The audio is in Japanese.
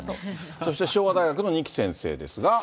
そして昭和大学の二木先生ですが。